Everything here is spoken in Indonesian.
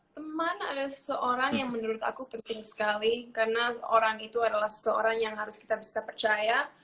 teman adalah seseorang yang menurut aku penting sekali karena orang itu adalah seseorang yang harus kita bisa percaya